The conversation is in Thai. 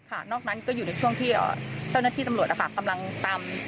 นอกนั้นก็อยู่ในช่วงที่เจ้าหน้าที่ตำรวจนะคะกำลังตาม